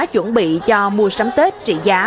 chuẩn bị cho mùa sắm tết trị giá